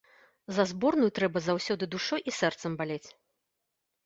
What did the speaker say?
За зборную трэба заўсёды душой і сэрцам балець.